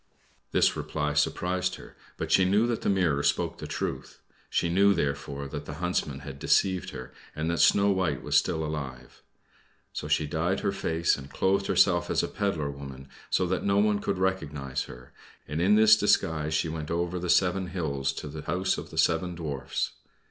This reply surprised her, but she knew that the mirror spoke the truth. She knew, therefore, that the Huntsman had deceived her, and that Snow White was still alive. So she dyed her face and clothed herself as a pedler woman, so that no one could recognize her, and in this disguise she went over the seven hills to the house of the seven Dwarfs.